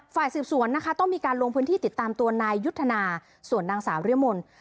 ฝ่ายสืบสวนนะคะต้องมีการลงพื้นที่ติดตามตัวนายยุทธนาส่วนนางสาวเรียมล